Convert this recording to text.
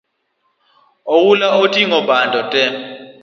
Oula oting’o bando tee